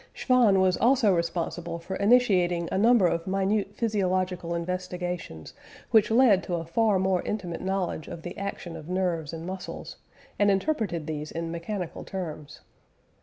Schwann was also responsible for initiating a number of minute physiological investigations which led to a far more intimate knowledge of the action of nerves and muscles, and interpreted these in mechanical terms.